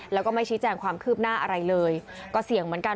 แล้วก็ไม่ชี้แจงความคืบหน้าอะไรเลยก็เสี่ยงเหมือนกัน